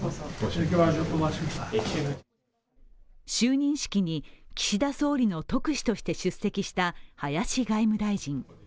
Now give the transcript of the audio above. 就任式に、岸田総理の特使として出席した林外務大臣。